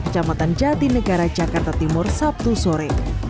kecamatan jati negara jakarta timur sabtu sore